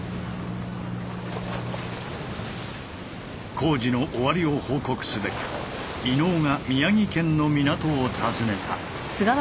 工事の終わりを報告すべく伊野尾が宮城県の港を訪ねた。